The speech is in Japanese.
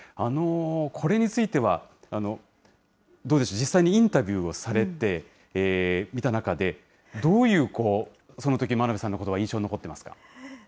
これについてはどうでしょう、実際にインタビューされていた中で、どういう、そのとき、真鍋さんのことが印象に残っていますか。